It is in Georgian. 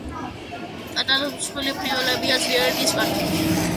ტანად მსხვილი ფრინველებია, ძლიერი ნისკარტით.